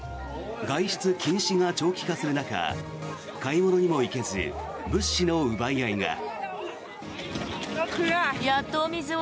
外出禁止が長期化する中買い物にも行けず物資の奪い合いが。